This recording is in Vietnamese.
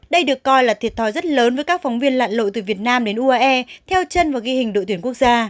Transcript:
đây được coi là thiệt thòi rất lớn với các phóng viên lạn lội từ việt nam đến uae theo chân và ghi hình đội tuyển quốc gia